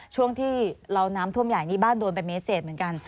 ช่วงที่เราน้ำท่วมใหญ่นี่บ้านโดนไปเมตรเศษเหมือนกัน